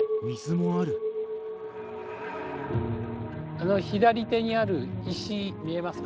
あの左手にある石見えますか？